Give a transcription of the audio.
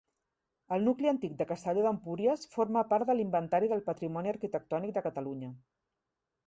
El nucli antic de Castelló d'Empúries forma part de l'Inventari del Patrimoni Arquitectònic de Catalunya.